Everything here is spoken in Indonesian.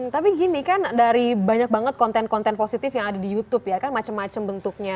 tapi gini kan dari banyak banget konten konten positif yang ada di youtube ya kan macam macam bentuknya